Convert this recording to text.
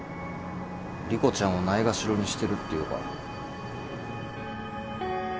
莉子ちゃんをないがしろにしてるっていうか。